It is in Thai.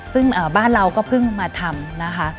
ซึ่งบ้านเราก็เพิ่งมาทำนะคะ